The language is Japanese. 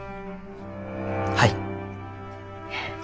はい。